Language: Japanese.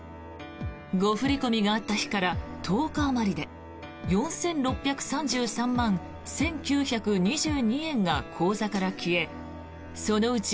誤振り込みがあった日から１０日あまりで４６３３万１９２２円が口座から消えそのうち